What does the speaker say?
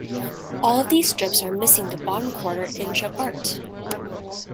All of these strips are missing the bottom quarter inch of art.